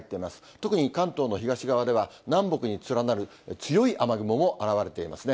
特に関東の東側では、南北に連なる強い雨雲も現れていますね。